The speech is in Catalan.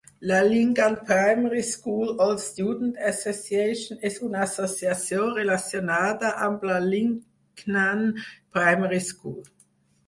La Lingnan Primary School Old Student Association és una associació relacionada amb la Lingnan Primary School.